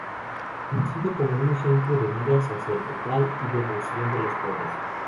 Conocido como un ejemplo de vida sacerdotal y de devoción de los pobres.